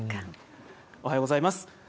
おはようございます。